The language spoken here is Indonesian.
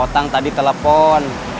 tadi tadi telfon